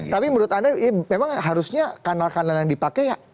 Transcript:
tapi menurut anda memang harusnya kanal kanal yang dipakai